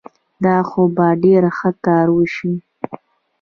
دا خو به ډېر ښه کار وشي.